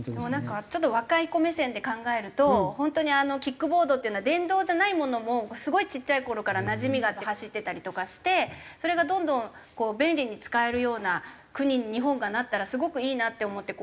ちょっと若い子目線で考えると本当にキックボードっていうのは電動じゃないものもすごいちっちゃい頃からなじみがあって走ってたりとかしてそれがどんどん便利に使えるような国に日本がなったらすごくいいなって思って。